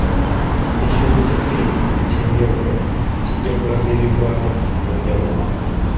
Ekitundu kya ffirimu eky'enjawulo kijja kulaga ebigwawo eby'enjawulo.